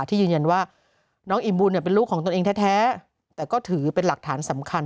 ที่ยืนยันว่าน้องอิ่มบุญเป็นลูกของตนเองแท้แต่ก็ถือเป็นหลักฐานสำคัญ